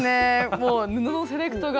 もう布のセレクトが。